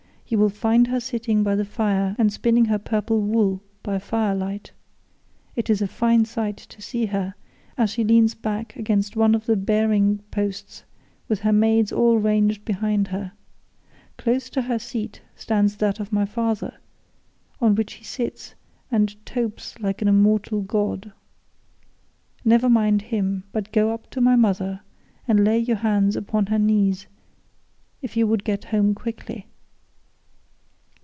You will find her sitting by the fire and spinning her purple wool by firelight. It is a fine sight to see her as she leans back against one of the bearing posts with her maids all ranged behind her. Close to her seat stands that of my father, on which he sits and topes like an immortal god. Never mind him, but go up to my mother, and lay your hands upon her knees if you would get home quickly.